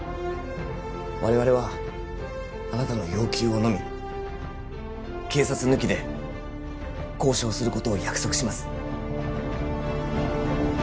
我々はあなたの要求をのみ警察抜きで交渉することを約束します